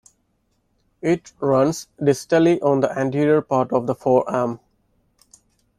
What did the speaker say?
It runs distally on the anterior part of the forearm.